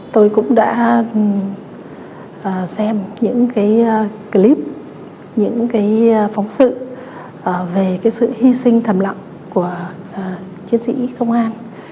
tôi cũng đã xem những clip những phóng sự về sự hy sinh thầm lặng của chiến sĩ công an